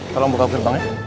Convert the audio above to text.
tolong buka belakangnya